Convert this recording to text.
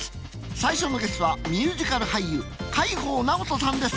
最初のゲストはミュージカル俳優海宝直人さんです。